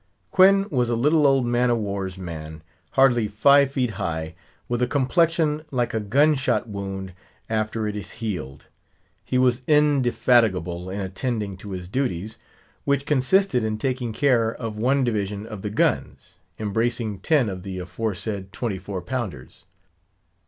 Quoin was a little old man of war's man, hardly five feet high, with a complexion like a gun shot wound after it is healed. He was indefatigable in attending to his duties; which consisted in taking care of one division of the guns, embracing ten of the aforesaid twenty four pounders.